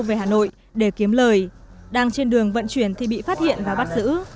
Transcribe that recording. về hà nội để kiếm lời đang trên đường vận chuyển thì bị phát hiện và bắt giữ